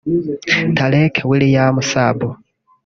Tarek William Saab